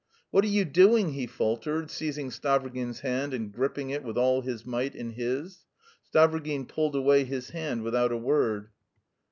"What are you doing?" he faltered, seizing Stavrogin's hand and gripping it with all his might in his. Stavrogin pulled away his hand without a word.